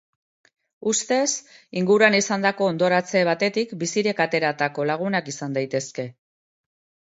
Ustez, inguruan izandako hondoratze batetik bizirik ateratako lagunak izan daitezke.